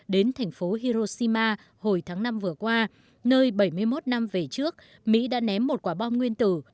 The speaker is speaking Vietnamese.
đến thành phố hiroshima hồi tháng năm vừa qua nơi bảy mươi một năm về trước mỹ đã ném một quả bom nguyên tử